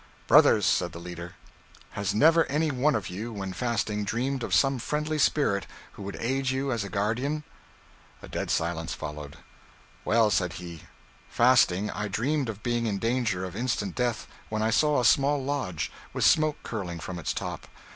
'Brothers,' said the leader, 'has never any one of you, when fasting, dreamed of some friendly spirit who would aid you as a guardian?' A dead silence followed. 'Well,' said he, 'fasting, I dreamed of being in danger of instant death, when I saw a small lodge, with smoke curling from its top.